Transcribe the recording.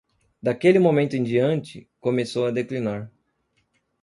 Daquele momento em diante, começou a declinar.